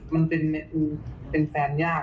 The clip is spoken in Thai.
แฟนแฟนยาก